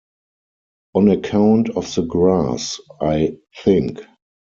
On account of the grass, I think.